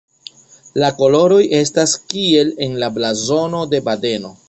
La koloroj estas kiel en la blazono de Badeno.